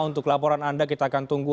untuk laporan anda kita akan tunggu